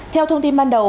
theo thông tin ban đầu